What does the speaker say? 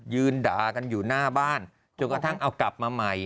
ด่ากันอยู่หน้าบ้านจนกระทั่งเอากลับมาใหม่